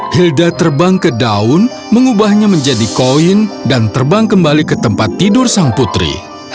hilda terbang ke daun mengubahnya menjadi koin dan terbang kembali ke tempat tidur sang putri